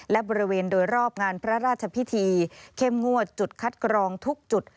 และบริเวณโดยรอบงานพระราชพิธีเข้มงวดจุดคัดกรองทุกจุด